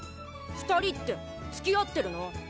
２人ってつきあってるの？